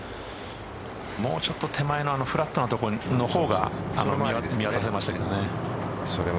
もうちょっと手前のフラットの所の方が見渡せましたけどね。